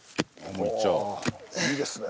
いいですね。